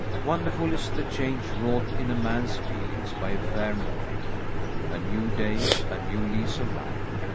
Wonderful is the change wrought in a man's feelings by a fair morning. A new day; a new lease of life.